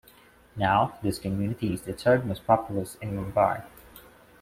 Now, this community is the third most populous in Mumbai.